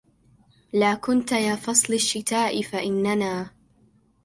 لا كنت يا فصل الشتاء فإننا